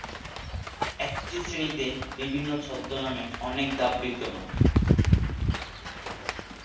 এই শ্রেণীতে বিভিন্ন ছদ্ম নামে অনেক ধাপ বিদ্যমান।